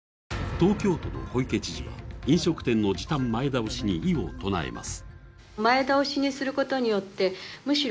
東京都の小池知事は、飲食店の時短前倒しに異を唱えます。